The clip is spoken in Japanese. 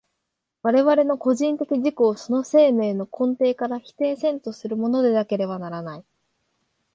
我々の個人的自己をその生命の根底から否定せんとするものでなければならない。